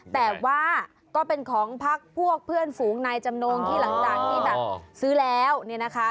แต่ว่าก็เป็นของพักพวกเพื่อนฝูงนายจำนงที่หลังจากที่แบบซื้อแล้วเนี่ยนะคะ